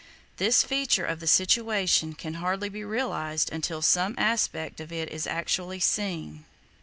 This feature of the situation can hardly be realized until some aspect of it is actually seen.